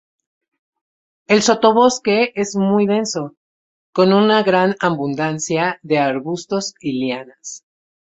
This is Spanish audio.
El sotobosque es muy denso, con una gran abundancia de arbustos y lianas.